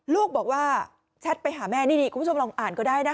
ลูกบอกว่าแชทไปหาแม่นี่คุณผู้ชมลองอ่านก็ได้นะคะ